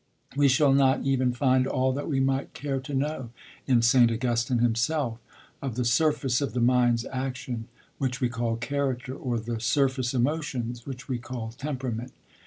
We shall not even find all that we might care to know, in St. Augustine himself, of the surface of the mind's action, which we call character, or the surface emotions, which we call temperament.